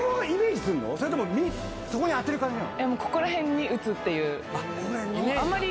ここら辺に打つっていう。